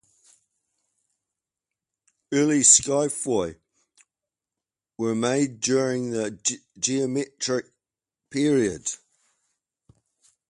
Early "skyphoi" were made during the Geometric period.